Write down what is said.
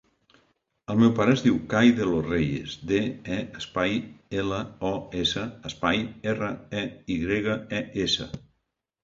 El meu pare es diu Kai De Los Reyes: de, e, espai, ela, o, essa, espai, erra, e, i grega, e, essa.